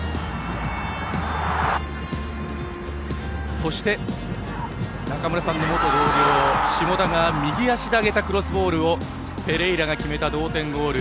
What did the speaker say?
そして、中村さんの元同僚下田が右足で上げたクロスボールをペレイラが決めた同点ゴール。